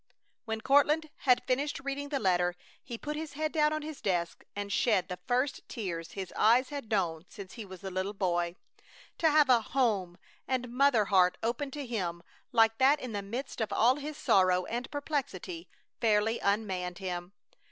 When Courtland had finished reading the letter he put his head down on his desk and shed the first tears his eyes had known since he was a little boy. To have a home and mother heart open to him like that in the midst of all his sorrow and perplexity fairly unmanned him.